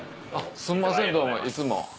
すんませんどうもいつも。